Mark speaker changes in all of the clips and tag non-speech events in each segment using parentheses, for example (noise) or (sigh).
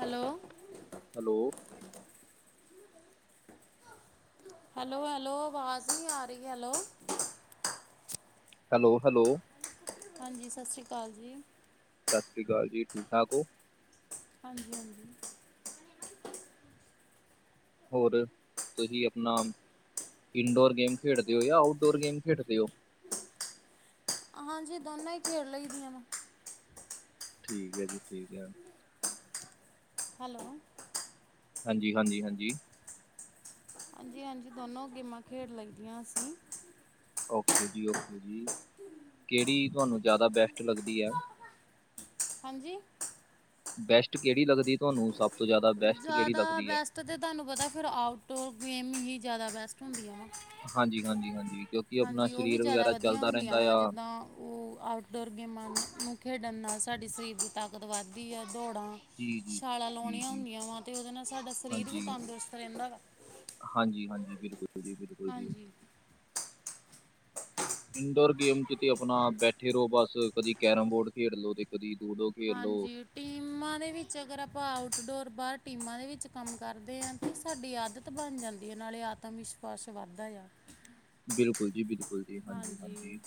Speaker 1: Hello
Speaker 2: hello
Speaker 1: hello hello, ਆਵਾਜ਼ ਨ੍ਹੀਂ ਆ ਰਹੀ। Hello
Speaker 2: hello hello.
Speaker 1: ਹਾਂਜੀ ਸਤਿ ਸ਼੍ਰੀ ਅਕਾਲ ਜੀ।
Speaker 2: ਸਤਿ ਸ਼੍ਰੀ ਅਕਾਲ ਜੀ ਠੀਕ-ਠਾਕ ਓ।
Speaker 1: ਹਾਂਜੀ ਹਾਂਜੀ।
Speaker 2: ਹੋਰ ਤੁਸੀਂ ਆਪਣਾ ਇਨਡੋਰ ਗੇਮ ਖੇਡਦੇ ਹੋ ਜਾਂ ਆਊਟਡੋਰ ਗੇਮ ਖੇਡਦੇ ਓ।
Speaker 1: ਹਾਂਜੀ ਦੋਨੋਂ ਈ ਖੇਡ ਲਈਦੀਆਂ ਨੇ।
Speaker 2: ਠੀਕ ਐ ਜੀ ਠੀਕ ਐ।
Speaker 1: ਹੈਲੋ।
Speaker 2: ਹਾਂਜੀ ਹਾਂਜੀ ਹਾਂਜੀ।
Speaker 1: ਹਾਂਜੀ ਹਾਂਜੀ ਦੋਨੋ ਗੇਮਾਂ ਖੇਡ ਲੇਂਦੀਆਂ ਅਸੀਂ।
Speaker 2: ਓਕੇ ਜੀ, ਓਕੇ ਜੀ। ਕਿਹੜੀ ਤੁਆਨੂੰ ਜ਼ਿਆਦਾ ਬੈਸਟ ਲੱਗਦੀ ਐ।
Speaker 1: ਹਾਂਜੀ?
Speaker 2: ਬੈਸਟ ਕੇੜੀ ਲੱਗਦੀ ਤੁਹਾਨੂੰ ਸਭ ਤੋਂ ਜ਼ਿਆਦਾ ਬੈਸਟ ਕਿਹੜੀ
Speaker 1: ਜ਼ਿਆਦਾ
Speaker 2: ਲੱਗਦੀ ਹੈ
Speaker 1: ਬੈਸਟ ਤਾਂ ਤਾਨੂੰ ਪਤਾ ਫਿਰ ਆਊਟਡੋਰ ਗੇਮ ਹੀ ਜ਼ਿਆਦਾ ਬੈਸਟ। ਹੁੰਦੀਆਂ,
Speaker 2: ਹਾਂਜੀ ਹਾਂਜੀ ਹਾਂਜੀ ਕਿਉਂਕਿ ਆਪਣਾ
Speaker 1: ਹਾਂਜੀ ਉਹੀ
Speaker 2: ਸਰੀਰ
Speaker 1: ਜ਼ਿਆਦਾ
Speaker 2: ਵਗੈਰਾ
Speaker 1: ਵਧੀਆ
Speaker 2: ਚੱਲਦਾ ਰਹਿੰਦਾ
Speaker 1: ਹੁੰਦੀਆਂ ਵਾ
Speaker 2: ਆ
Speaker 1: ਜਿੱਦਾਂ ਉਹ ਆਊਟਡੋਰ ਗੇਮਾਂ ਨੂੰ ਖੇਡਣ ਨਾਲ ਸਾਡੀ ਸਰੀਰ ਦੀ ਤਾਕਤ ਵੱਧਦੀ ਆ ਦੌੜਾਂ
Speaker 2: ਜੀ ਜੀ, ਜੀ ਜੀ।
Speaker 1: ਯਾਂ ਵਾਂ ਤੇ ਉਹਦੇ ਨਾਲ ਸਾਡਾ ਸਰੀਰ ਵੀ
Speaker 2: ਹਾਂਜੀ
Speaker 1: ਤੰਦਰੁਸਤ ਰੈਂਦਾ ਵਾ।
Speaker 2: ਹਾਂਜੀ, ਹਾਂਜੀ ਬਿਲਕੁਲ ਜੀ, ਬਿਲ
Speaker 1: ਹਾਂਜੀ।
Speaker 2: ਇਨਡੋਰ ਗੇਮ ਚ ਤੇ ਆਪਨਾ ਬੈਠੇ ਰੋ ਬਸ, ਕਦੀ ਕੈਰਮ ਬੋਰਡ ਖੇਡ ਲੋ ਤੇ ਕਦੀ ਲੂਡੋ। ਖੇਡ ਲਓ
Speaker 1: ਹਾਂਜੀ, ਟੀਮਾਂ ਦੇ ਵਿੱਚ ਅਗਰ ਆਪਾਂ ਆਊਟਡੋਰ ਬਾਹਰ ਟੀਮਾਂ ਦੇ ਵਿੱਚ ਕੰਮ ਕਰਦੇ ਆਂ ਤੇ ਸਾਡੀ ਆਦਤ ਬਨ ਜਾਂਦੀ ਐ ਨਾਲੇ ਆਤਮ ਵਿਸ਼ਵਾਸ ਵੀ ਵੱਧਦਾ ਆ।
Speaker 2: ਬਿਲਕੁਲ ਜੀ, ਬਿਲਕੁਲ। (inaudible) ਹਾਂਜੀ ਹਾਂਜੀ,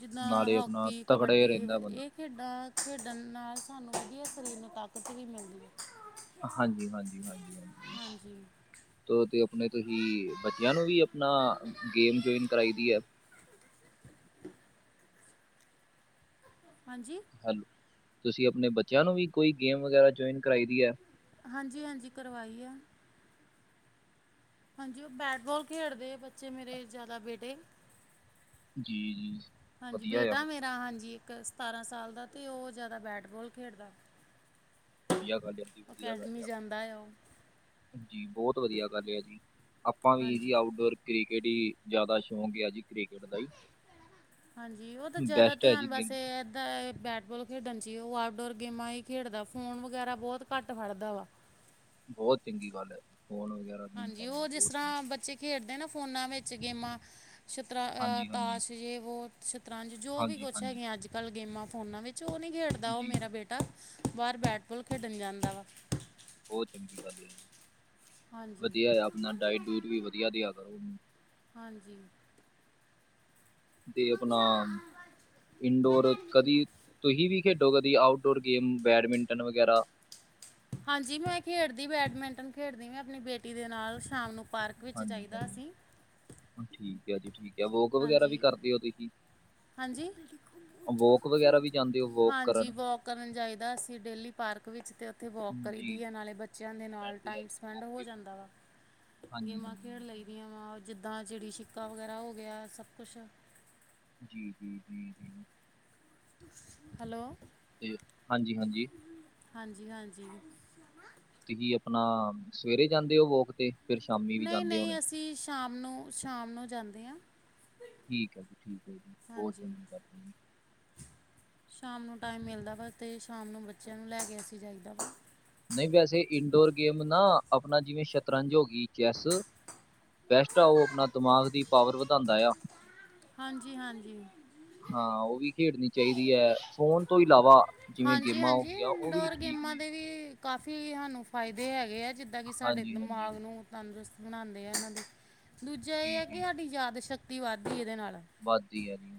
Speaker 1: ਜਿੱਦਾਂ
Speaker 2: ਨਾਲੇ ਆਪਨਾ
Speaker 1: ਹਾਕੀ
Speaker 2: ਤਗੜੇ
Speaker 1: ਕਬੱਡੀ
Speaker 2: ਰੈਂਦਾ ਏ
Speaker 1: ਵ-
Speaker 2: ਬੰਦਾ।
Speaker 1: ਇਹ ਖੇਡਾਂ ਖੇਡਣ ਨਾਲ ਸਾਨੂੰ ਵਧੀਆ ਸਰੀਰ ਨੂੰ ਤਾਕਤ ਵੀ ਮਿਲਦੀ ਐ।
Speaker 2: ਹਾਂਜੀ ਹਾਂਜੀ ਹਾਂਜੀ ਹਾਂਜੀ, ਤੇ ਓਹ ਤੇ ਆਪਣੇ ਤੁਹੀ ਬੱਚਿਆਂ ਨੂੰ ਵੀ ਨਾ ਗੇਮ ਜੋਇਨ ਕਰਾਈ ਦੀ ਆ।
Speaker 1: ਹਾਂਜੀ?
Speaker 2: ਹੈਂਲੋ, ਤੁਸੀ ਆਪਨੇ ਬੱਚਿਆਂ ਨੂੰ ਵੀ ਕੋਈ ਗੇਮ ਵਗੈਰਾ ਜੋਇਨ ਕਰਆਈ ਦੀ ਐ।
Speaker 1: ਹਾਂਜੀ ਹਾਂਜੀ, ਕਰਵਾਈ ਐ। ਹਾਂਜੀ ਉਹ ਬੈਟ ਬੋਲ ਖੇਡਦੇ ਬੱਚੇ ਮੇਰੇ ਜਿਆਦਾ ਬੇਟੇ।
Speaker 2: ਜੀ, ‌ਜੀ।
Speaker 1: ਹਾਂਜੀ ਬੇਟਾ ਮੇਰਾ ਹਾਂਜੀ ਇੱਕ ਸਤਾਰਾਂ ਸਾਲ ਦਾ ਤੇ ਉਹ ਜਿਆਦਾ ਬੈਟਬੋਲ ਖੇਡਦਾ।
Speaker 2: ਵਧੀਆ ਗੱਲ ਐ ਜੀ, ਵਧੀਆ ਗੱਲ।
Speaker 1: ਨੀਂ
Speaker 2: ਆ
Speaker 1: ਜਾਂਦਾ ਆ।
Speaker 2: ਜੀ ਬੋਤ ਵਧੀਆ ਗੱਲ ਆ ਜੀ, ਆਪਾਂ ਵੀ ਜੀ
Speaker 1: ਹਾਂਜੀ
Speaker 2: ਆਊਟਡੋਰ ਕ੍ਰਿਕੇਟ ਹੀ ਜਿਆਦਾ ਸ਼ੌਂਕ ਆ ਜੀ। ਕ੍ਰਿਕਟ ਦਾ ਹੀ
Speaker 1: (inaudible) ਹਾਂਜੀ, ਉਹ ਤੇ ਜਿਆਦਾ
Speaker 2: ਬੈਸਟ ਹੈ ਜੀ
Speaker 1: ਧਿਆਨ
Speaker 2: ਗੇਮ
Speaker 1: ਬਸ ਇਹ ਐ ਤਾ ਬੈਟਬੋਲ ਖੇਡਣ ਚ ਈ ਉਹ ਆਊਟਡੋਰ ਗੇਮਾਂ ਈ ਖੇਡਦਾ। ਫੋਨ ਵਗੈਰਾ ਬੋਤ ਘੱਟ ਫੜਦਾ ਵਾ।
Speaker 2: ਬੋਤ ਚੰਗੀ ਗੱਲ ਐ। ਫੋਨ ਵਗੈਰਾ ਨਹੀਂ
Speaker 1: ਹਾਂਜੀ!
Speaker 2: ਕਰਨਾ
Speaker 1: ਉਹ ਜਿਸ
Speaker 2: ਬਹੁਤ
Speaker 1: ਤਰਾਂ, ਬੱਚੇ ਖੇਡਦੇ ਨੇ ਫੋਨਾਂ ਵਿੱਚ ਗੇਮਾਂ। ਸ਼ਤਰਾਂ, ਆਹ
Speaker 2: ਹਾਂਜੀ ਹਾਂਜੀ
Speaker 1: ਤਾਸ਼ ਯੇ ਵੋ ਸ਼ਤਰੰਜ ਜੋ ਵੀ
Speaker 2: ਹਾਂਜੀ
Speaker 1: ਕੁਛ
Speaker 2: ਹਾਂਜੀ
Speaker 1: ਹੈਗਿਆਂ ਅੱਜ ਕੱਲ ਗੇਮਾਂ ਫੋਨਾਂ ਵਿੱਚ। ਚ ਉਹ ਨੀ ਖੇਡਦਾ ਉਹ
Speaker 2: ਜੀ
Speaker 1: ਮੇਰਾ ਬੇਟਾ, ਬਾਹਰ ਬੈਟਬੋਲ ਖੇਡਣ ਜਾਂਦਾ ਵਾ।
Speaker 2: ਬਹੁਤ ਚੰਗੀ ਗੱਲ ਏ।
Speaker 1: ਹਾਂਜੀ
Speaker 2: ਵਧੀਆ ਆ, ਆਪਣਾ ਡਾਇਟ ਡੂਇਟ ਵੀ ਵਧੀਆ ਦਿਆ ਕਰੋ ਓਹਨੂੰ।
Speaker 1: ਹਾਂਜੀ!
Speaker 2: ਤੇ ਆਪਨਾ ਇੰਡੋਰ ਕਦੀ ਤੁਹੀ ਵੀ ਖੇਡੋ ਕਦੀ ਆਊਟਡੋਰ ਗੇਮ, ਬੈਡਮਿੰਟਨ ਵਗੈਰਾ।
Speaker 1: ਹਾਂਜੀ! ਮੈਂ ਖੇਡਦੀ, ਬੈਡਮਿੰਟਨ ਖੇਡਦੀ ਮੈਂ ਆਪਣੀ ਬੇਟੀ ਦੇ ਨਾਲ ਸ਼ਾਮ ਨੂੰ। ਪਾਰਕ ਵਿੱਚ ਜਾਈਦਾ
Speaker 2: ਹਾਂਜੀ-ਹਾਂਜੀ
Speaker 1: ਅਸੀਂ
Speaker 2: ਹੁ ਠੀਕ ਕ ਆ ਜੀ ਠੀਕ ਐ। ਵੋਕ ਵਗੈਰਾ ਵੀ
Speaker 1: ਹਾਂਜੀ
Speaker 2: ਕਰਦੇ ਹੋ ਤੁਸੀਂ?
Speaker 1: ਹਾਂਜੀ
Speaker 2: ਵੋਕ ਵਗੈਰਾ ਵੀ ਜਾਂਦੇ ਹੋ? ਵੋਕ
Speaker 1: ਹਾਂਜੀ
Speaker 2: ਕਰਨ।
Speaker 1: ਵੋਕ ਕਰਨ ਜਾਈਦਾ ਅਸੀ ਡੇਲੀ, ਪਾਰਕ ਵਿੱਚ ਤੇ। ਤੇ ਵੋਕ
Speaker 2: ਜੀ
Speaker 1: ਕਰੀਦੀ ਆ ਨਾਲੇ ਬੱਚਿਆਂ ਦੇ ਨਾਲ
Speaker 2: ਵੈਸੇ ਆ ਜੀ,
Speaker 1: ਟਾਈਮ ਸਪੈਂਡ ਹੋ
Speaker 2: ਵੀ-
Speaker 1: ਜਾਂਦਾ ਵਾ।
Speaker 2: ਹਾਂਜੀ
Speaker 1: ਗੇਮਾਂ
Speaker 2: ਹਾਂਜੀ
Speaker 1: ਖੇਡ
Speaker 2: ਹਾਂਜੀ
Speaker 1: ਲਈ
Speaker 2: ਹਾਂਜੀ।
Speaker 1: ਦੀਆਂ ਵਾ। ਜਿੱਦਾਂ ਚਿੜੀ ਛਿੱਕਾ ਵਗੈਰਾ ਹੋ ਗਿਆ, ਸਭ ਕੁਛ।
Speaker 2: ਜੀ-ਜੀ-ਜੀ-ਜੀ!
Speaker 1: ਹੈਲੋ!
Speaker 2: ਹਾਂਜੀ-ਹਾਂਜੀ!
Speaker 1: ਹਾਂਜੀ-ਹਾਂਜੀ!
Speaker 2: ਤੁਸੀ ਆਪਨਾ ਸਵੇਰੇ ਜਾਂਦੇ ਹੋ, ਵੋਕ ਤੇ? ਫਿਰ ਸ਼ਾਮੀ ਵੀ ਜਾਂਦੇ ਹੋਣੇ
Speaker 1: ਨਹੀਂ-ਨਹੀਂ ਅਸੀ ਸ਼ਾਮ ਨੂੰ, ਸ਼ਾਮ ਨੂੰ ਜਾਂਦੇ ਹਾਂ।
Speaker 2: ਠੀਕ ਹੈ ਜੀ! ਠੀਕ ਹੈ ਜੀ! ਬਹੁਤ
Speaker 1: ਹਾਂਜੀ
Speaker 2: ਚੰਗੀ ਗੱਲ ਏ ਜੀ।
Speaker 1: ਸ਼ਾਮ ਨੂੰ ਟਾਈਮ ਮਿਲਦਾ ਵਾ, ਤੇ ਸ਼ਾਮ ਨੂੰ ਬੱਚਿਆਂ ਨੂੰ ਲੈ ਕੇ ਅਸੀ ਜਾਈਦਾ ਵਾ।
Speaker 2: ਨਹੀਂ ਵੈਸੇ ਇਨਡੋਰ ਗੇਮ ਨਾ, ਆਪਨਾ ਜਿਵੇਂ ਸ਼ਤਰੰਜ ਹੋ ਗਈ। ਚੈਸ ਬੈਸਟ ਆ ਉਹ ਆਪਨਾ ਦਿਮਾਗ ਦੀ ਪਾਵਰ ਵਧਾਉਂਦਾ ਆ।
Speaker 1: ਹਾਂਜੀ-ਹਾਂਜੀ!
Speaker 2: ਹਾਂ ਉਹ ਵੀ ਖੇਡਣੀ ਚਾਹੀਦੀ ਐ। ਫੋਨ ਤੋਂ ਇਲਾਵਾ ਜਿਵੇਂ
Speaker 1: ਹਾਂਜੀ
Speaker 2: ਗੇਮਾਂ
Speaker 1: ਹਾਂਜੀ
Speaker 2: ਹੁੰਦੀਆਂ ਉਹੀ
Speaker 1: ਇਨਡੋਰ
Speaker 2: ਠੀਕ
Speaker 1: ਗੇਮਾਂ
Speaker 2: ਨੇ
Speaker 1: ਦੇ ਵੀ ਕਾਫੀ ਹਾਨੂੰ ਫਾਇਦੇ ਹੈਗੇ ਆ ਜਿੱਦਾਂ ਕਿ ਸਾਡੇ
Speaker 2: ਹਾਂਜੀ ਹਾਂਜੀ
Speaker 1: ਦਿਮਾਗ ਨੂੰ ਤੰਦਰੁਸਤ ਬਣਾਉਂਦੇ ਆ' ਇਹਨਾਂ ਦੇ, ਦੂਜਾ ਇਹ
Speaker 2: ਜੀ
Speaker 1: ਹੈ ਕਿ
Speaker 2: ਜੀ
Speaker 1: ਸਾਡੀ ਯਾਦ ਸ਼ਕਤੀ ਵੱਧਦੀ ਇਹਦੇ ਨਾਲ।
Speaker 2: ਵੱਧਦੀ ਐ ਜੀ।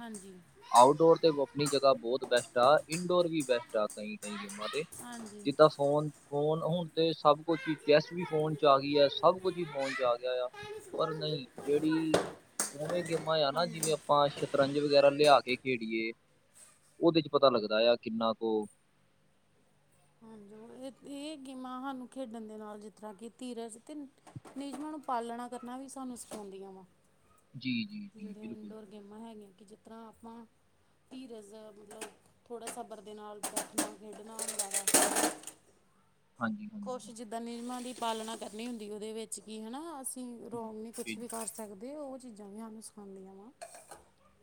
Speaker 1: ਹਾਂਜੀ'।
Speaker 2: ਆਊਟਡੋਰ ਤੇ ਓ ਆਪਣੀ ਜਗ੍ਹਾ ਬਹੁਤ ਬੈਸਟ ਆ ਇੰਨਡੋਰ ਵੀ ਬੈਸਟ ਆ ਕਈ ਕਈ ਗੇਮਾਂ ਤੇ
Speaker 1: ਹਾਂਜੀ
Speaker 2: ਜਿੱਦਾਂ ਫੋਨ ਫੋਨ ਹੁਣ ਤੇ ਸਭ ਕੁਛ ਹੀ ਚੈਸ ਵੀ ਫੋਨ ਚ ਆ ਗਈ ਆ ਸਭ ਕੁਛ ਹੀ ਫੋਨ ਚ ਆ ਗਿਆ ਆ। ਪਰ ਨਹੀਂ ਜਿਹੜੀ ਉਵੇਂ ਗੇਮਾਂ ਆ ਨਾ-
Speaker 1: ਹਾਂਜੀ
Speaker 2: ਜਿਵੇਂ ਆ ਪਾਂ ਸ਼ਤਰੰਜ ਵਗੈਰਾ ਲਿਆ ਕੇ ਖੇਡੀਏ, ਉਹਦੇ 'ਚ ਪਤਾ ਲੱਗਦਾ ਆ ਕਿੰਨਾ ਕੁ
Speaker 1: ਹਾਂਜੀ ਇਹ ਗੇਮਾਂ ਹਾਨੂੰ ਖੇਡਣ ਦੇ ਨਾਲ ਜਿੱਦਾਂ ਧੀਰਜ ਤੇ ਨਿਯਮਾਂ ਨੂੰ ਪਾਲਣਾ ਕਰਨਾ ਵੀ ਸਾਨੂੰ ਸਿਖਾਉਂਦੀਆਂ ਵਾਂ।
Speaker 2: ਜੀ ਜੀ' ਜੀ
Speaker 1: ਜਿਹੜੀਆਂ
Speaker 2: ਬਿਲਕੁਲ
Speaker 1: ਇਨਡੋਰ ਗੇਮਾਂ ਹੈਗੀਆਂ ਕਿ ਜਿ ਤਰ੍ਹਾਂ ਆਪਾਂ ਧੀਰਜ਼ ਮਤਲਬ ਥੋੜ੍ਹਾ ਸਬਰ ਦੇ ਨਾਲ ਬੈਠਣਾ ਖੇਡਣਾ ਹੁੰਦਾ ਵਾਂ।
Speaker 2: ਹਾਂਜੀ। ਹਾਂਜੀ
Speaker 1: ਕੁਛ
Speaker 2: ਹਾਂਜੀ
Speaker 1: ਜਿੱਦਾਂ ਨਿਯਮਾਂ ਦੀ ਪਾਲਣਾ ਕਰਨੀ ਹੁੰਦੀ ਕੀ ਹਨਾ ਅਸ ਕਿ
Speaker 2: ਹਮ,
Speaker 1: ਰੌਗ ਨਹੀਂ ਕੁਛ
Speaker 2: ਬਿਲ-
Speaker 1: ਵੀ ਕਰ ਸਕਦੇ। ਉਹ ਚੀਜ਼ਾਂ ਵੀ ਸਾਨੂੰ ਸਿਖਾਉਂਦੀਆਂ ਵਾ।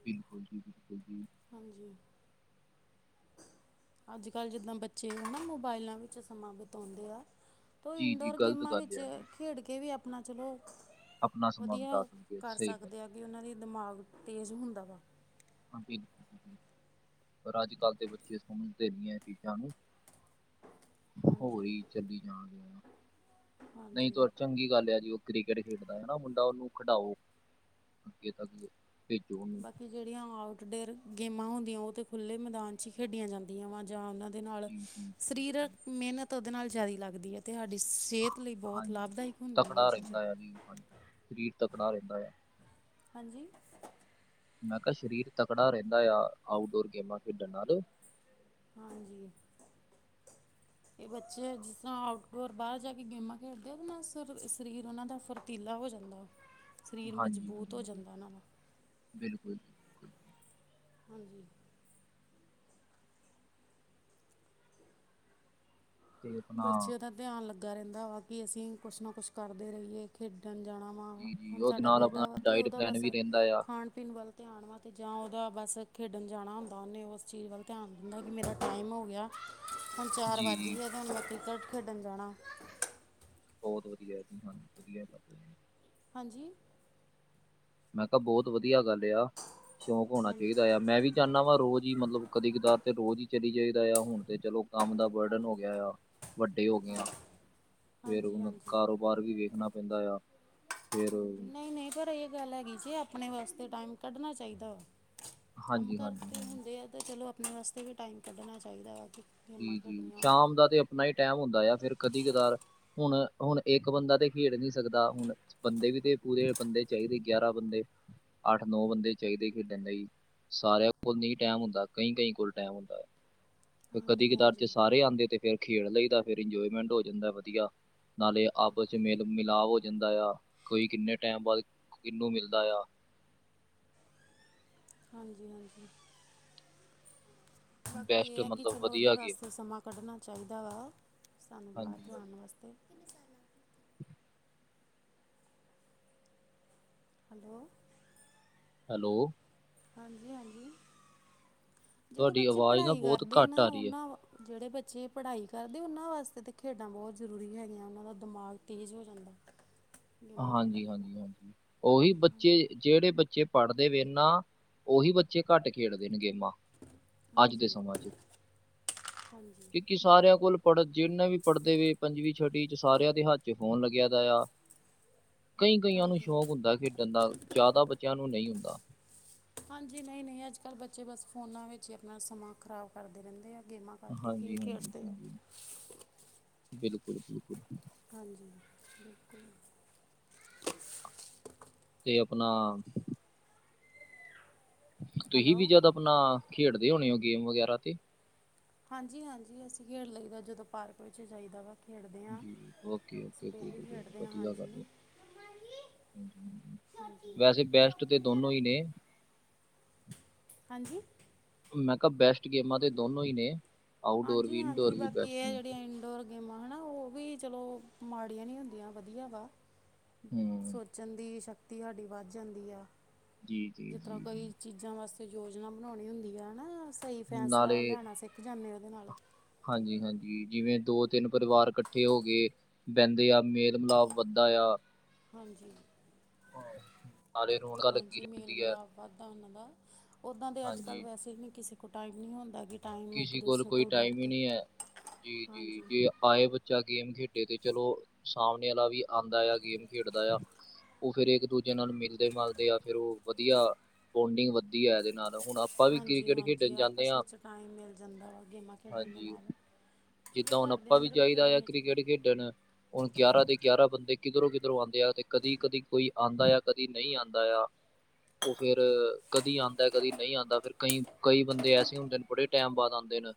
Speaker 2: ਬਿਲਕੁਲ ਜੀ, ਬਿਲਕੁਲ ਜੀ।
Speaker 1: ਹਾਂਜੀ। ਅੱਜ -ਕੱਲ੍ਹ ਜਿੱਦਾਂ ਬੱਚੇ ਆ ਨਾ, ਮੋਬਾਇਲਾਂ ਵਿੱਚ ਸਮਾਂ ਬਿਤਾਉਂਦੇ ਆ ਤ
Speaker 2: ਜੀ ਜੀ
Speaker 1: ਇਨਡੋਰ
Speaker 2: ਗ਼ਲਤ
Speaker 1: ਗੇਮਾਂ
Speaker 2: ਗੱਲ
Speaker 1: ਵਿੱਚ,
Speaker 2: ਆ ਇਹ
Speaker 1: ਖੇਡ ਕੇ ਵੀ ਆਪਣਾ ਚਲੋ
Speaker 2: ਆਪਣਾ ਸਮਾਂ
Speaker 1: ਵਧੀਆ
Speaker 2: ਬਿਤਾ ਸਕਦੇ ਆ,
Speaker 1: ਕਰ
Speaker 2: ਸਹੀ ਗੱਲ
Speaker 1: ਸਕਦੇ ਆ ਕਿ, ਉਹਨਾਂ ਦੀ ਦਿਮਾਗ ਤੇਜ਼ ਹੁੰਦਾ ਵਾ
Speaker 2: ਹਾਂਜੀ, ਪਰ ਅੱਜ -ਕੱਲ੍ਹ ਦੇ ਬੱਚੇ ਸਮਝਦੇ ਨਹੀਂ ਏ, ਚੀਜ਼ਾਂ ਨੂੰ ਹੋ
Speaker 1: ਹਾਂਜੀ
Speaker 2: ਗਈ ਚੰਗੀ ਤਰ੍ਹਾਂ, ਨਹੀਂ
Speaker 1: ਹਾਂਜੀ
Speaker 2: ਤ ਚੰਗੀ ਗੱਲ ਆ ਜੀ, ਉਹ ਕ੍ਰਿਕਟ ਖੇਡਦਾ ਮੁੰਡਾ, ਉਹਨੂੰ ਖਡਾਓ ਅੱਗੇ ਤੱਕ? ਦੇਖੋ
Speaker 1: ਬਾਕੀ ਜਿਹੜੀਆਂ ਆਊਟਡੋਰ ਗੇਮਾਂ ਹੁੰਦੀਆਂ, ਉਹ ਤੇ ਖੁੱਲ੍ਹੇ ਮੈਦਾਨ ਚ ਹੀ ਖੇਡੀਆਂ, ਜਾਂਦੀਆਂ ਵਾ ਜਾਂ ਉਹਨਾਂ ਦੇ ਨਾਲ
Speaker 2: ਜੀ ਜੀ ਜੀ
Speaker 1: ਸਰੀਰਕ
Speaker 2: ਜੀ
Speaker 1: ਮਿਹਨਤ, ਉਹਦੇ ਨਾਲ ਜਿਆਦਾ ਲੱਗਦੀ ਹੈ ਅਤੇ, ਸਾਡੀ ਸਿਹਤ ਲਈ ਬਹੁਤ ਲਾਭਦਾਇਕ, ਹੁੰਦੀਆ ਉਹ
Speaker 2: ਤਕੜਾ
Speaker 1: ਚੀਜਾਂ
Speaker 2: ਰਹਿੰਦਾ ਹਾਂਜੀ- ਹਾਂਜੀ ਸਰੀਰ ਤਾ ਬਣਾ ਦੇਂਦਾ ਏ
Speaker 1: ਹਾਂਜੀ
Speaker 2: ਮੈਂ ਕਿਹਾ, ਸਰੀਰ ਤਕੜਾ ਰਹਿੰਦਾ ਆ', ਆਊਟਡੋਰ ਗੇਮਾਂ ਖੇਡਣ ਨਾਲ
Speaker 1: ਹਾਂਜੀ ਇਹ ਬੱਚੇ ਜਿਸ ਤਰ੍ਹਾਂ ਆਊਟਡੋਰ ਬਾਹਰ ਜਾ ਕੇ ਗੇਮਾਂ ਖੇਡਦੇ ਉਹਦੇ ਨਾਲ ਸ ਸਰੀਰ ਉਹਨਾਂ ਦਾ ਫੁਰਤੀਲਾ ਹੋ ਜਾਂਦਾ! ਸਰੀਰ
Speaker 2: ਹਾਂਜੀ
Speaker 1: ਮਜ਼ਬੂਤ ਹੋ
Speaker 2: ਹਾਂਜੀ ਜੀ,
Speaker 1: ਜਾਂਦਾ ਨਾ-ਵਾ
Speaker 2: ਬਿਲਕੁਲ' ਬਿਲਕੁਲ।
Speaker 1: ਹਾਂਜੀ'।
Speaker 2: ਤੇ ਆਪਣਾ
Speaker 1: ਬੱਚਿਆਂ ਦਾ ਧਿਆਨ ਲੱਗਾ ਰਹਿੰਦਾ' ਵਾ ਕਿ, ਅਸੀਂ ਕੁਛ ਨਾ ਕੁਛ ਕਰਦੇ, ਰਹੀਏ ਖੇਡਣ ਜਾਣਾ ਹਾਂ
Speaker 2: ਜੀ ਜੀ
Speaker 1: ਹੁਣ
Speaker 2: ਉਹਦੇ
Speaker 1: ਸਾਡਾ
Speaker 2: ਨਾਲ ਆਪਣਾ
Speaker 1: ਬੇਟਾ ਵਾ ਤੇ,
Speaker 2: ਡਾਇਟ
Speaker 1: ਉਹਦਾ
Speaker 2: ਪਲਾਨ
Speaker 1: ਬਸ
Speaker 2: ਵੀ ਰਹਿੰਦਾ ਆ
Speaker 1: ਖਾਣ ਪਿੰਨ ਵੱਲ ਧਿਆਨ ਵਾ'ਅਤੇ, ਜਾਂ ਉਹਦਾ ਬਸ ਖੇਡਣ ਜਾਣਾ ਹੁੰਦਾ ਆ ਉਹਨੇ, ਉਸ ਚੀਜ਼ ਵੱਲ ਧਿਆਨ' ਜਦ ਮੇਰਾ ਟਾਈਮ ਹੋ ਗਿਆ, ਹੁਣ ਚਾਰ
Speaker 2: ਜੀ
Speaker 1: ਵੱਜ
Speaker 2: ਜੀ
Speaker 1: ਗਏ, ਅਤੇ ਹੁਣ ਮੈਂ ਕ੍ਰਿਕਟ ਖੇਡਣ ਜਾਣਾ
Speaker 2: ਬਹੁਤ ਵਧੀਆ ਜੀ, ਹਾਂਜੀ ਵਧਆ ਕਰਦੇ
Speaker 1: ਹਾਂਜੀ',
Speaker 2: ਮੈਂ ਕਿਹਾ, ਬਹੁਤ ਵਧੀਆ ਗੱਲ ਆ, 'ਸ਼ੌਕ ਹੋਣਾ
Speaker 1: ਹਾਂਜੀ
Speaker 2: ਚਾਹੀਦਾ' ਆ ਮੈਂ ਵੀ ਜਾਂਣਾ ਵਾ ਰੋਜ਼ ਹੀ, ਮਤਲਬ ਕਦੇ ਕਤਾਰ ਤੇ ਰੋਜ਼ ਹੀ ਚਲੀ ਜਾਈਦਾ ਆ, ਹੁਣ ਤੇ ਚਲੋ ਕੰਮ ਦਾ ਬਰਡਨ ਹੋ ਗਿਆ ਆ! ਵੱਡੇ ਹੋ ਗਏ ਆ, 'ਫਿਰ
Speaker 1: ਹਾਂਜੀ
Speaker 2: ਹੁਣ
Speaker 1: ਹਾਂਜੀ
Speaker 2: ਕਾਰੋਬਾਰ ਵੀ ਵੇਖਣਾ ਪੈਂਦਾ ਆ! ਫੇਰ
Speaker 1: ਹਾਂਜੀ, 'ਨਹੀਂ- ਨਹੀਂ ਪਰ ਇਹ ਗੱਲ ਹੈਗੀ ਜੇ, ਆਪਣੇ ਵਾਸਤੇ ਟਾਈਮ ਕੱਢਣਾ ਚਾਹੀਦਾ ਵਾ! ਕੰਮ
Speaker 2: ਹਾਂਜੀ
Speaker 1: ਕਾਰ
Speaker 2: ਹਾਂਜੀ
Speaker 1: ਤੇ
Speaker 2: ਹਾਂਜੀ
Speaker 1: ਹੁੰਦੇ ਆ, ਤੇ ਚਲੋ ਆਪਣੇ ਵਾਸਤੇ ਵੀ ਟਾਈਮ, ਕੱਢਣਾ ਚਾਹੀਦਾ ਵਾ ਕਿ
Speaker 2: ਜੀ
Speaker 1: ਗੇਮਾਂ
Speaker 2: -ਜੀ
Speaker 1: ਖੇਡਣੀਆਂ ਹੋਣ ਤਾਂ
Speaker 2: ਸ਼ਾਮ ਦਾ ਤੇ ਆਪਣਾ ਹੀ ਟਾਈਮ ਹੁੰਦਾ ਆ, ਫਿਰ ਕਦੀ ਕਦਾਰ ਹੁਣ ਹੁ-ਣ ਇੱਕ ਬੰਦਾ ਤੇ ਖੇਡ ਨੀ ਸਕਦਾ ਹੁਣ ਬੰਦੇ ਵੀ ਤੇ, ਪੂਰੇ ਬੰਦੇ ਚਾਹੀਦੇ, ਗਿਆਰਾਂ ਬੰਦੇ। ਅੱਠ- ਨੌ ਬੰਦੇ ਚਾਹੀਦੇ ਖੇਡਣ ਲਈ, ਸਾਰਿਆਂ ਕੋਲ ਨਹੀਂ ਟਾਈਮ ਹੁੰਦਾ, ਕਈ -ਕਈ ਕੋਲ ਟਾਈਮ ਹੁੰਦਾ। ਕਦੀ
Speaker 1: ਹਾਂਜੀ
Speaker 2: ਕਦਾਰ ਤੇ
Speaker 1: ਹਾਂਜੀ
Speaker 2: ਸਾਰੇ ਆਦੇ ਤੇ, ਫਿਰ ਖੇਡ ਲਈਦਾ ਫਿਰ ਇੰਜੋਏਮੈਂਟ ਹੋ ਜਾਂਦਾ ਵਧੀਆ‌‌ ਨਾਲੇ
Speaker 1: ਹਾਂ
Speaker 2: ਆਪਸ 'ਚ, ਮੇਲ ਮਿਲਾਪ ਹੋ ਜਾਂਦਾ ਆ, ਕੋਈ ਕਿੰਨੇ ਟਾਈਮ ਬਾਅਦ ਕਿੰਨੂੰ ਮਿਲਦਾ ਆ।
Speaker 1: ਹਾਂਜੀ- ਹਾਂਜੀ। ਬਾਕੀ
Speaker 2: ਬੈਸਟ
Speaker 1: ਇਹ ਹੈ ਕਿ,
Speaker 2: ਮਤਲਬ
Speaker 1: ਚਲੋ ਉਹਦੇ
Speaker 2: ਵਧੀਆ ਗੇਮ
Speaker 1: ਵਾਸਤੇ ਸਮਾਂ ਕੱਢਣਾ ਚਾਹੀਦਾ ਵਾ, ਸਾਨੂੰ ਬਾਹਰ
Speaker 2: ਹਾਂਜੀ
Speaker 1: ਜਾਣ ਵਾਸਤੇ ਹੈਲੋ
Speaker 2: ਹੈਲੋ
Speaker 1: ਹਾਂਜੀ- ਹਾਂਜੀ ਜਿਹੜੇ
Speaker 2: ਤੁਹਾਡੀ
Speaker 1: ਬੱਚੇ
Speaker 2: ਆਵਾਜ਼ ਨਾ
Speaker 1: ਪੜ੍ਹਾਈ
Speaker 2: ਬਹੁਤ
Speaker 1: ਕਰਦੇ ਆ
Speaker 2: ਘੱਟ ਰਹੀ ਹੈ
Speaker 1: ਉਹਨਾਂ ਜਿਹੜੇ ਬੱਚੇ ਪੜ੍ਹਾਈ ਕਰਦੇ, ਉਹਨਾਂ ਵਾਸਤੇ ਤਾਂ ਖੇਡਾਂ ਬਹੁਤ ਜ਼ਰੂਰੀ ਹੈਗੀਆਂ, ਉਹਨਾਂ ਦਾ ਦਿਮਾਗ ਤੇਜ਼ ਹੋ ਜਾਂਦਾ ਹੂੰ।
Speaker 2: ਹਾਂਜੀ- ਹਾਂਜੀ ਹਾਂਜੀ, ਉਹੀ ਬੱਚੇ ਜਿਹੜੇ ਬੱਚੇ ਪੜ੍ਹਦੇ ਵੇ ਨਾ, ਉਹੀ ਬੱਚੇ ਘੱਟ ਖੇਡਦੇ ਨੇ ਗੇਮਾਂ‌ ਅੱਜ ਦੇ
Speaker 1: ਹਾਂਜੀ
Speaker 2: ਸਮਾਂ
Speaker 1: ਹਾਂਜੀ
Speaker 2: 'ਚ
Speaker 1: ਹਾਂਜੀ
Speaker 2: ਕਿ। ਕਿ ਸਾਰਿਆਂ ਕੋਲ ਪੜ੍ਹ ਜਿੰਨੇ ਵੀ ਪੜ੍ਹਦੇ ਪਏ ਪੰਜਵੀਂ ਛੇਵੀਂ ਛਠੀ 'ਚ ਸਾਰਿਆਂ ਦੇ ਹੱਥ। ਤੇ ਫ਼ੋਨ ਲੱਗਿਆ ਦਾ ਆ। ਨਈ ਕਈਆਂ ਨੂੰ
Speaker 1: ਹਾਂਜੀ
Speaker 2: ਸ਼ੌਕ ਹੁੰਦਾ ਖੇਡਣ ਦਾ ਜ਼ਿਆਦਾ ਬੱਚਿਆਂ ਨੂੰ ਨਹੀਂ ਹੁੰਦਾ।
Speaker 1: ਹੂੰ। ਹਾਂਜੀ ਨਹੀਂ ਨਹੀਂ ਅੱਜ ਕੱਲ੍ਹ ਬੱਚੇ ਬਸ ਫੋਨਾਂ ਵਿੱਚ ਹੀ ਆਪਣਾ ਸਮਾਂ ਖ਼ਰਾਬ ਕਰਦੇ ਰਹਿੰਦੇ ਆ ਗੇਮਾਂ। ਆਂਟੀ ਖਿਲ
Speaker 2: ਹਾਂਜੀ
Speaker 1: ਕੇ
Speaker 2: ਹਾਂਜੀ
Speaker 1: ਹੱਸਦੇ ਪਏ
Speaker 2: ਹਾਂਜੀ ਬਿਲਕੁਲ ਬਿਲਕੁਲ।
Speaker 1: ਹਾਂਜੀ ਬਿਲਕੁਲ।
Speaker 2: ਤੇ ਆਪਣਾ। ਤੁਸੀ ਵੀ
Speaker 1: ਹੈਲੋ
Speaker 2: ਜਦ ਆਪਣਾ ਖੇਡਦੇ ਹੋਣੇ ਹੋ ਗੇਮ ਵਗੈਰਾ ਤੇ।
Speaker 1: ਹਾਂਜੀ ਹਾਂਜੀ ਅਸੀਂ ਖੇਡ ਲਈਦਾ ਜਦੋਂ ਪਾਰਕ ਵਿੱਚ ਜਾਈਦਾ ਵਾ। ਖੇਡਦੇ ਹਾਂ
Speaker 2: ਜੀ ਜੀ ਓਕੇ
Speaker 1: ਅਸੀਂ
Speaker 2: ਓਕੇ ਜੀ
Speaker 1: ਡੇਲੀ ਖੇਡਦੇ ਹਾਂ
Speaker 2: ਵਧੀਆ ਗੱਲ
Speaker 1: ਹਾਂਜੀ
Speaker 2: ਹੈ। ਵੈਸੇ ਬੈਸਟ ਤੇ ਦੋਨੋਂ ਹੀ ਨੇ।
Speaker 1: ਹਾਂਜੀ।
Speaker 2: ਮੈਂ ਕਿਹਾ ਬੈਸਟ ਗੇਮਾਂ ਤੇ ਦੋਨੋਂ ਹੀ ਨੇ। ਆਊਟਡੋਰ
Speaker 1: ਹਾਂਜੀ
Speaker 2: ਵੀ
Speaker 1: ਹਾਂਜੀ
Speaker 2: ਇਨਡੋਰ ਵੀ
Speaker 1: ਬਾਕੀ
Speaker 2: ਬੈਸਟ
Speaker 1: ਇਹ
Speaker 2: ਨੇ
Speaker 1: ਜਿਹੜੀਆਂ ਇਨਡੋਰ। ਗੇਮਾਂ ਹਨਾ ਉਹ ਵੀ ਚਲੋ ਮਾੜੀਆਂ ਨੀ ਹੁੰਦੀਆਂ ਵਧੀਆ ਵਾ‌।
Speaker 2: ਹੂੰ।
Speaker 1: ਬਚਨ ਦੀ ਸ਼ਕਤੀ ਸਾਡੀ ਵੱਧ ਜਾਂਦੀ ਆ।
Speaker 2: ਜੀ। ਜੀ
Speaker 1: ਜਿਸ ਤਰ੍ਹਾਂ
Speaker 2: ਜੀ ਜੀ
Speaker 1: ਕਈ ਚੀਜ਼ਾਂ ਵਾਸਤੇ ਯੋਜਨਾ ਬਣਾਉਣੀ ਹੁੰਦੀ ਆ ਨਾ। ਸਹੀ ਫੈਸਲਾ
Speaker 2: ਨਾਲੇ
Speaker 1: ਲੈਣਾ ਸਿੱਖ ਜਾਂਦੇੇ ਹਾਂ ਉਹਦੇ ਨਾਲ।
Speaker 2: ਹਾਂਜੀ ਹਾਂਜੀ ਜਿਵੇਂ ਦੋ ਤਿੰਨ ਪਰਿਵਾਰ ਕੱਠੇ ਹੋ ਗਏ। ਬਹਿੰਦੇ ਆ ਮੇਲ ਮਿਲਾਪ ਵੱਧਦਾ ਆ।
Speaker 1: ਹਾਂਜੀ
Speaker 2: ਨਾਲੇ ਰੌਣਕਾਂ ਲੱਗੀ
Speaker 1: ਹਾਂਜੀ ਮੇਲ
Speaker 2: ਰਹਿੰਦੀ ਹੈ
Speaker 1: ਮਿਲਾਪ। ਵਧਦਾ ਉਹਨਾਂ ਦਾ ਉਦਾਂ ਤਾਂ ਅੱਜ ਕੱਲ
Speaker 2: ਹਾਂਜੀ
Speaker 1: ਵੈਸੇ ਨੀ ਕਿਸੇ ਕੋਲ ਟਾਈਮ ਨਹੀਂ ਹੁੰਦਾ ਕਿ‌।
Speaker 2: ਕਿਸੇ ਕੋਲ ਕੋਈ ਟਾਈਮ ਹੀ ਨਹੀਂ ਹੈ ਜੀ ਜੀ
Speaker 1: ਹਾਂਜੀ
Speaker 2: ਜੀ। ਆਏ ਬੱਚਾ ਗੇਮ ਖੇਡੇ ਤੇ ਚਲੋ ਸਾਹਮਣੇ ਵਾਲਾ ਵੀ ਆਉਂਦਾ ਆ ਗੇਮ ਖੇਡਦਾ ਆ। ਉਹ ਫੇਰ ਇੱਕ ਦੂਜੇ ਨਾਲ ਮਿਲਦੇ ਮਲਦੇ ਆ ਫਿਰ ਉਹ ਵਧੀਆ ਬੋਂਡਿੰਗ ਵੱਧਦੀ ਆ ਇਹਦੇ ਨਾਲ। ਹੁਣ ਆਪਾਂ ਵੀ
Speaker 1: ਹਾਂਜੀ
Speaker 2: ਕ੍ਰਿਕਟ
Speaker 1: ਹਾਂਜੀ
Speaker 2: ਖੇਡਣ ਜਾਂਨੇ
Speaker 1: ਆਪਸ
Speaker 2: ਆ
Speaker 1: ਵਿੱਚ ਟਾਈਮ ਮਿਲ ਜਾਂਦਾ ਗੇਮਾਂ ਨੂੰ।
Speaker 2: ਹਾਂਜੀ ਜਿੱਦਾਂ ਹੁਣ
Speaker 1: ਦੇ
Speaker 2: ਆਪਾਂ ਵੀ
Speaker 1: ਅੰਦਰ
Speaker 2: ਚਾਹੀਦਾ ਆ
Speaker 1: ਖੇਡਣੀਆਂ
Speaker 2: ਕ੍ਰਿਕਟ
Speaker 1: ਚਾਹੀਦੀਆਂ
Speaker 2: ਖੇਡਣ। ਹੁਣ ਗਿਆਰਾਂ ਦੇ ਗਿਆਰਾਂ ਬੰਦੇ ਕਿਧਰੋਂ ਕਿਧਰੋਂ ਆਉਂਦੇ ਆ ਤੇ ਕਦੀ ਕਦੀ ਕੋਈ ਆਉਂਦਾ ਆ ਕਦੀ ਨਹੀਂ ਆਉਂਦਾ ਆ। ਉਹ ਫੇਰ ਕਦੀ ਆਉਂਦਾ ਕਦੀ ਨਹੀਂ ਆਉਂਦਾ ਫੇਰ ਕਈ ਕਈ ਬੰਦੇ ਐਸੇ ਹੁੰਦੇ ਨੇ ਬੜੇ। ਟਾਈਮ ਬਾਦ ਆਉਂਦੇ ਨੇ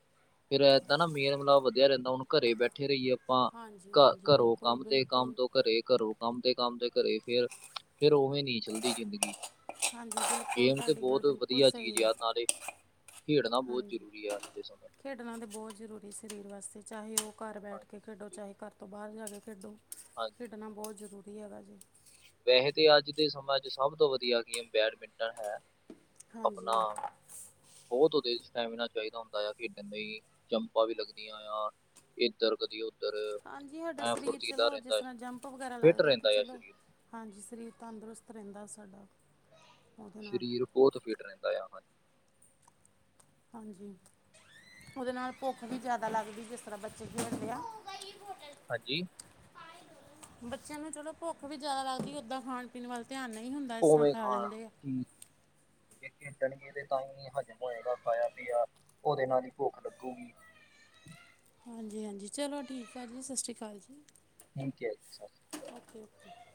Speaker 2: ਫਿਰ ਏਦਾਂ ਨਾ ਮੇਲ ਮਿਲਾਪ ਵਧਿਆ ਰਹਿੰਦਾ ਹੁਣ ਘਰੇ ਬੈਠੇ ਰਹੀਏ ਆਪਾਂ
Speaker 1: ਹਾਂਜੀ
Speaker 2: ਘ
Speaker 1: ਹਾਂਜੀ
Speaker 2: ਘਰੋ
Speaker 1: ਬਿਲਕੁਲ
Speaker 2: ਕੰਮ ਤੇ ਕੰਮ
Speaker 1: ਬਿਲਕੁਲ
Speaker 2: ਤੋਂ ਘਰੇ ਕਰੋ। ਕੰਮ ਦੇ ਕੰਮ ਦੇ ਘਰੇ ਫੇਰ ਫੇਰ ਉਵੇਂ ਨੀ ਚੱਲਦੀ ਜ਼ਿੰਦਗੀ।
Speaker 1: ਹਾਂਜੀ ਬਿਲਕੁਲ
Speaker 2: ਗੇਮ ਤੇ
Speaker 1: ਤੁਹਾਡੀ ਗੱਲ
Speaker 2: ਬਹੁਤ
Speaker 1: ਬਿਲਕੁਲ
Speaker 2: ਵਧੀਆ
Speaker 1: ਸਹੀ
Speaker 2: ਚੀਜ਼
Speaker 1: ਹੈ
Speaker 2: ਆ ਨਾਲੇ ਖੇਡਣਾ ਬਹੁਤ
Speaker 1: ਹਾਂਜੀ
Speaker 2: ਜ਼ਰੂਰੀ ਆ ਅੱਜ ਦੇ ਸਮੇ
Speaker 1: ਖੇਡਣਾ ਤਾਂ ਬਹੁਤ ਜ਼ਰੂਰੀ ਸਰੀਰ ਵਾਸਤੇ ਚਾਹੇ ਉਹ ਘਰ
Speaker 2: 'ਚ
Speaker 1: ਬੈਠ ਕੇ ਖੇਡੋ
Speaker 2: ਹਾਂਜੀ
Speaker 1: ਚਾਹੇ ਘਰ ਤੋਂ ਬਾਹਰ ਜਾ ਕੇ ਖੇਡੋ
Speaker 2: ਹਾਂਜੀ
Speaker 1: ਖੇਡਣਾ ਬਹੁਤ ਜ਼ਰੂਰੀ ਹੈਗਾ ਜੀ।
Speaker 2: ਵੈਸੇ ਤੇ ਅੱਜ ਦੇ ਸਮਾਂ ਚ ਸਭ ਤੋਂ ਵਧੀਆ ਗੇਮ ਬੈਡਮਿੰਟਨ ਹੈ।
Speaker 1: ਹਾਂਜੀ
Speaker 2: ਆਪਣਾ। ਬਹੁਤ ਵਧੀਆ ਸਟੈਮੀਨਾ ਚਾਹੀਦਾ ਹੁੰਦਾ ਆ ਖੇਡਣ ਲਈ ਜੰਪਾਂ ਵੀ ਲੱਗਦੀਆਂ ਆ ਇੱਧਰ ਕਦੀ ਉੱਧਰ
Speaker 1: ਹਾਂਜੀ ਸਾਡਾ
Speaker 2: ਐ
Speaker 1: ਸਰੀਰ
Speaker 2: ਫੁਰਤੀਲਾ
Speaker 1: ਚਲੋ ਜਿਸ
Speaker 2: ਰਹਿੰਦਾ ਏ
Speaker 1: ਤਰ੍ਹਾਂ ਜੰਪ ਵਗੈਰਾ
Speaker 2: ਫਿੱਟ
Speaker 1: ਲੱਗਦੇ ਤਾਂ
Speaker 2: ਰਹਿੰਦਾ ਆ
Speaker 1: ਚਲੋ
Speaker 2: ਸਰੀਰ।
Speaker 1: ਹਾਂਜੀ ਸਰੀਰ ਤੰਦਰੁਸਤ ਰਹਿੰਦਾ ਸਾਡਾ। ਉਹਦੇ ਨਾਲ
Speaker 2: ਸਰੀਰ ਬਹੁਤ ਫਿਟ ਰਹਿੰਦਾ ਆ ਹਾਂਜੀ।
Speaker 1: ਹਾਂਜੀ ਉਹਦੇ ਨਾਲ ਭੁੱਖ ਵੀ ਜ਼ਿਆਦਾ ਲੱਗਦੀ ਜਿਸ ਤਰ੍ਹਾਂ ਬੱਚੇ ਖੇਡਦੇ ਆ
Speaker 2: ਹਾਂਜੀ।
Speaker 1: ਬੱਚਿਆਂ ਨੂੰ ਚਲੋ ਭੁੱਖ ਵੀ ਜ਼ਿਆਦਾ ਲੱਗਦੀ ਓਦਾਂ ਖਾਣ ਪੀਣ ਵੱਲ ਧਿਆਨ ਨਹੀਂ ਹੁੰਦਾ ਇਸ ਤਰ੍ਹਾਂ
Speaker 2: ਉਵੇਂ
Speaker 1: ਖਾ
Speaker 2: ਖਾਣ
Speaker 1: ਲੈਂਦੇ।
Speaker 2: ਚੀਜ਼ ਜੇ ਖੇਡਣਗੇ ਤੇ ਤਾਂ ਹੀ ਹਜ਼ਮ ਹੋਏਗਾ ਖਾਇਆ ਪੀਆ ਉਹਦੇ ਨਾਲ ਹੀ ਭੁੱਖ ਲੱਗੂਗੀ।
Speaker 1: ਹਾਂਜੀ ਹਾਂਜੀ ਚਲੋ ਠੀਕ ਆ ਜੀ ਸਤਿ ਸ਼੍ਰੀ ਅਕਾਲ ਜੀ।
Speaker 2: ਠੀਕ ਜੀ ਸਤਿ ਸ੍ਰੀ ਅਕਾਲ।
Speaker 1: Okay okay.